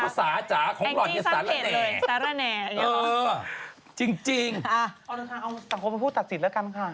อ้อเขาทางเอาสังคมมาพูดตัดสินด้วยกันข้าง